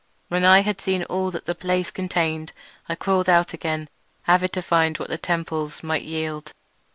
When I had seen all that the place contained, I crawled out again, avid to find what the other temples might yield.